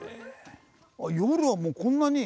夜はもうこんなに？